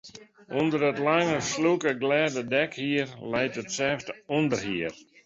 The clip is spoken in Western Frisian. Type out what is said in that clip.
Under it lange, slûke en glêde dekhier leit it sêfte ûnderhier.